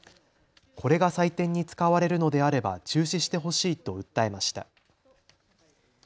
これが採点に使われるのであれば中止してほしいと訴えました。